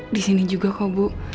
disini juga kok bu